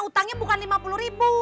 utangnya bukan lima puluh ribu